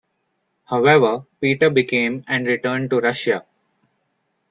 However, Peter became and returned to Russia.